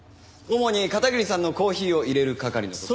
主に片桐さんのコーヒーを入れる係の事。